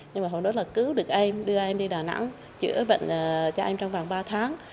nhưng mà hồi đó là cứu được em đưa em đi đà nẵng chữa bệnh cho em trong vòng ba tháng